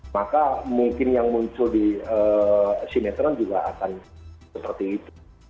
maka mungkin yang muncul di sinetron juga akan seperti itu